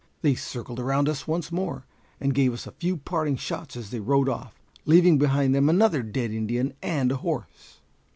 They circled around us once more, and gave us a few parting shots as they rode off, leaving behind them another dead Indian and a horse.